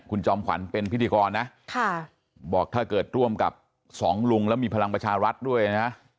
คุณจอมขวัญเป็นพิธีกรนะบอกถ้าเกิดร่วมกับสองลุงแล้วมีพลังประชารัฐด้วยนะ